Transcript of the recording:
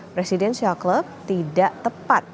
presidensial club tidak tepat